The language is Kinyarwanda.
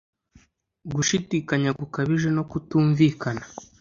Gushidikanya gukabije no kutumvikana